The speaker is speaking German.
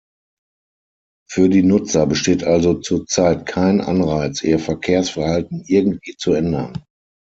Für die Nutzer besteht also zur Zeit kein Anreiz, ihr Verkehrsverhalten irgendwie zu ändern.